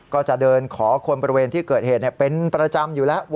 ก็จะเดินขอคนบริเวณที่เกิดเหตุเป็นประจำอยู่แล้ว